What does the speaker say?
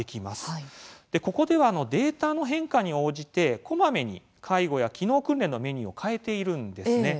ここではデータの変化に応じてこまめに介護や機能訓練のメニューを変えているんですね。